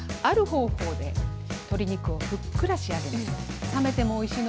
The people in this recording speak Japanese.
ある方法で鶏肉をふっくら仕上げます。